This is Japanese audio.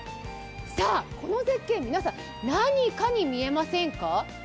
さあ、この絶景、皆さん、何かに見えませんか？